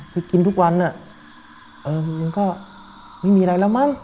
คือกินทุกวันอ่ะเออมันก็ไม่มีอะไรแล้วมั้ง